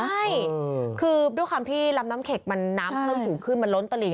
ใช่คือด้วยความที่ลำน้ำเข็กมันน้ำขึ้นมันล้นตะลี